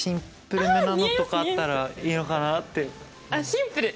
シンプル？